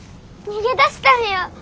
逃げ出したんや！